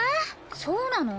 そうなの？